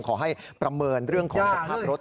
ขอให้ประเมินเรื่องของสภาพรถ